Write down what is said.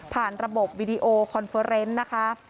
ผ่านระบบวิดีโอคอนเฟอร์เทรนด์